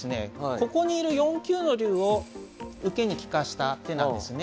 ここにいる４九の龍を受けに利かせた手なんですね。